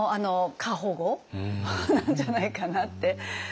過保護なんじゃないかなって。